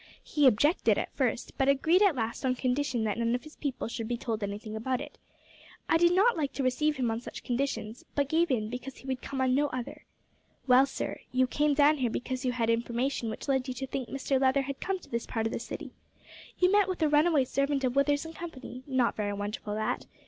He objected at first, but agreed at last on condition that none of his people should be told anything about it. I did not like to receive him on such conditions, but gave in because he would come on no other. Well, sir, you came down here because you had information which led you to think Mr Leather had come to this part of the city. You met with a runaway servant of Withers and Company not very wonderful that.